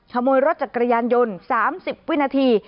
ขโมยรถจักรยานยนต์๓๐วินาที